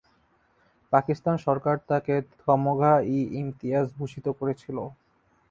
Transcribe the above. পাকিস্তান সরকার তাকে তমঘা-ই-ইমতিয়াজ ভূষিত করেছিল।